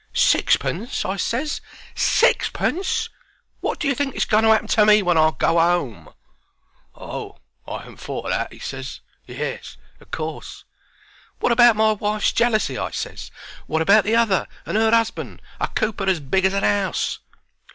"Sixpence!" I ses. "SIXPENCE!" Wot do you think is going to 'appen to me when I go 'ome?" "Oh, I 'adn't thought o' that," he ses. "Yes, o' course." "Wot about my wife's jealousy?" I ses. "Wot about the other, and her 'usband, a cooper as big as a 'ouse?"